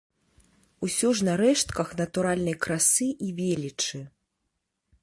Усё ж на рэштках натуральнай красы і велічы.